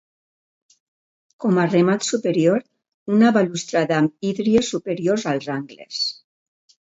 Com a remat superior, una balustrada amb hídries superiors als angles.